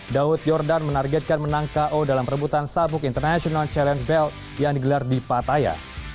daud yordan menargetkan menang ko dalam perebutan sabuk international challenge belt yang digelar di pataya